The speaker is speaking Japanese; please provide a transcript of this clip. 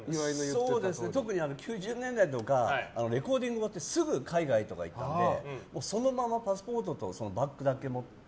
特に９０年代とかレコーディング終わってすぐ海外とか行ってそのままパスポートとバッグだけ持って。